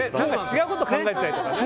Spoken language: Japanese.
違うこと考えてたり。